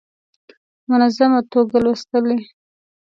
منظمه توګه لوستلې.